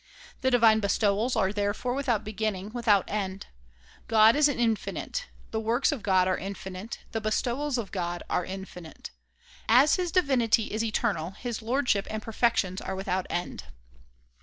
The divine bestowals are therefore without beginning, without end. God is infinite ; the works of God are in finite ; the bestowals of God are infinite. As his divinity is eternal, his lordship and perfections are without end.